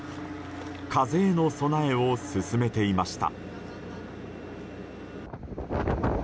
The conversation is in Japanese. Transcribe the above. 風への備えを進めていました。